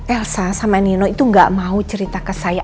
elsa sama nino itu gak mau cerita ke saya